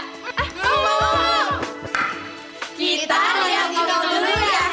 kita lihat lino dulu ya han